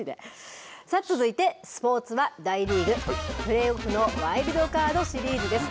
さあ続いてスポーツは大リーグプレーオフのワイルドカードシリーズです。